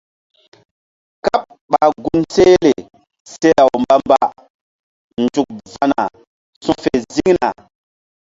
Káɓ ɓa gun sehle se law mbamba nzuk va̧na su fe ziŋna.